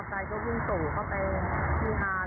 ไปตามเด็กลงมาปึ๊บ